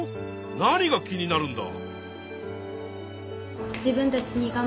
何が気になるんだ。